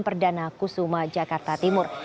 perdana kusuma jakarta timur